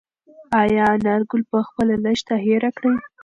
ایا انارګل به خپله لښته هېره کړي؟